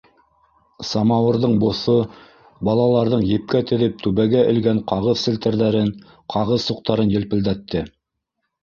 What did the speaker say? Самауырҙың боҫо балаларҙың епкә теҙеп түбәгә элгән ҡағыҙ селтәрҙәрен, ҡағыҙ суҡтарын елпелдәтте.